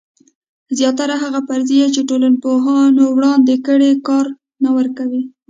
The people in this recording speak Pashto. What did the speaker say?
زیاتره هغه فرضیې چې ټولنپوهانو وړاندې کړي کار نه ورکوي.